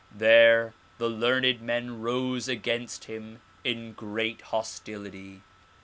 There the learned men rose against him in great hostility.